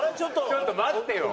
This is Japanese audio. ちょっと待ってよ！